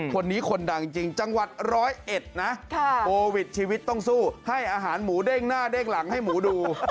คนนี้คนดังจริงจังหวัดร้อยเอ็ดนะโควิดชีวิตต้องสู้ให้อาหารหมูเด้งหน้าเด้งหลังให้หมูดู